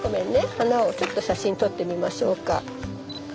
花をちょっと写真撮ってみましょうか。